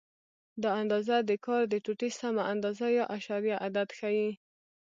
دا اندازه د کار د ټوټې سمه اندازه یا اعشاریه عدد ښیي.